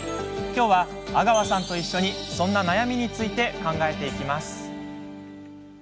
きょうは、阿川さんと一緒にそんな悩みについて考えていきます。